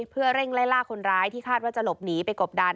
เพื่อเร่งไล่ล่าคนร้ายที่คาดว่าจะหลบหนีไปกบดัน